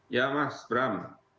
ya mas bram